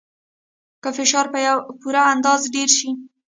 که فشار په پوره اندازه ډیر شي.